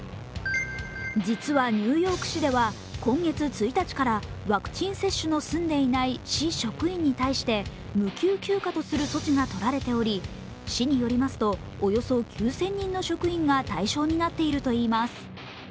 実はニューヨーク市では今月１日からワクチン接種の済んでいない市職員に対して無給休暇とする措置がとられており、市によりますとおよそ９０００人の職員が対象になっているといいます。